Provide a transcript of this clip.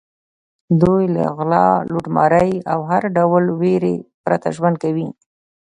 دوی له غلا، لوټمارۍ او هر ډول وېرې پرته ژوند کوي.